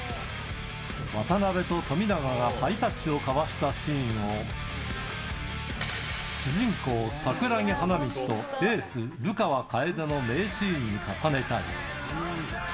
渡邊と富永がハイタッチを交わしたシーンを、主人公、桜木花道とエース、流川楓の名シーンに重ねたり。